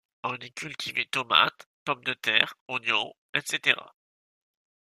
On y cultivait tomates, pommes de terre, oignons, etc.